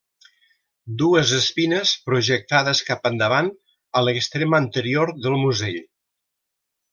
Dues espines projectades cap endavant a l'extrem anterior del musell.